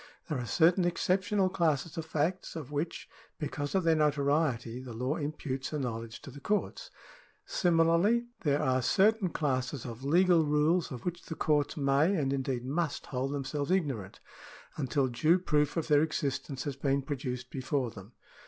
There are certain excep tional classes of facts, of which, because of their notoriety, the law imputes a knowledge to the courts. Similarly there §11] CIVIL LAW 29 are certain classes of legal rules of which the courts may, and indeed must, hold themselves ignorant, until due proof of their existence has been produced before them.